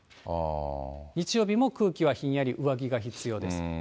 日曜日も空気はひんやり、上着が必要です。